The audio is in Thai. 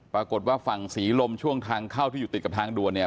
ปรากฏว่าฝั่งศรีลมช่วงทางเข้าที่อยู่ติดกับทางด่วนเนี่ย